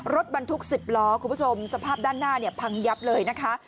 รถบรรทุก๑๐ล้อคุณผู้ชมสภาพด้านหน้าเนี่ยพังยับเลยนะคะ